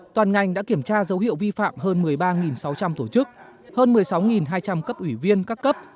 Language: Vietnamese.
toàn ngành đã kiểm tra dấu hiệu vi phạm hơn một mươi ba sáu trăm linh tổ chức hơn một mươi sáu hai trăm linh cấp ủy viên các cấp